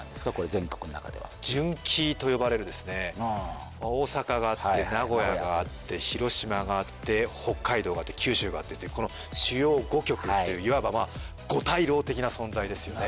全国の中では準キーと呼ばれるですね大阪があって名古屋があって広島があって北海道があって九州があってっていうこの主要５局といういわばまあ五大老的な存在ですよね